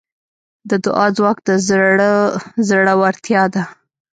د دعا ځواک د زړه زړورتیا ده.